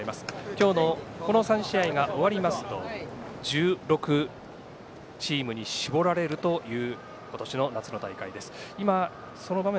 今日のこの３試合が終わりますと１６チームに絞られるという今年の夏の大会です。